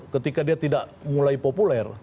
ketika dia tidak mulai populer